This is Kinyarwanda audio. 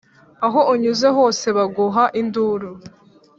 Aho unyuze hose baguha induru